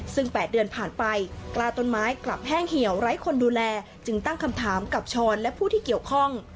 ซึ่ง๘เดือนผ่านไปกล้าต้นไม้กลับแห้งเหี่ยวไร้คนดูแลจึงตั้งคำถามกับช้อนและผู้ที่เกี่ยวข้อง